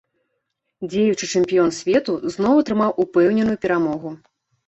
Дзеючы чэмпіён свету зноў атрымаў упэўненую перамогу.